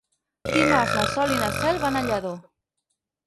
Dimarts na Sol i na Cel van a Lladó.